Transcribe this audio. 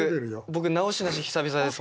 僕直しなし久々です。